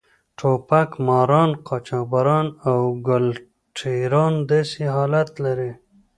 ټوپک ماران، قاچاقبران او ګل ټېران داسې حالت لري.